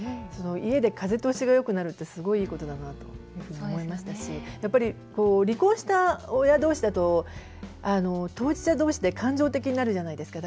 家で風通しがよくなるってすごい、いいことだなと思いましたしやっぱり離婚した親同士だと当事者同士で感情的になるじゃないですか。